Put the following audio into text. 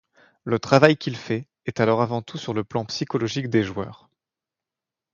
Le travail qu'il fait est alors avant tout sur le plan psychologique des joueurs.